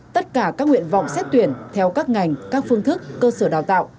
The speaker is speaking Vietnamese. tất cả các nguyện vọng xét tuyển theo các ngành các phương thức cơ sở đào tạo